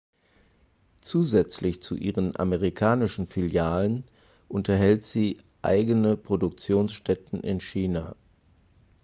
Zusätzlich zu ihren amerikanischen Filialen unterhält sie eigene Produktionsstätten in China.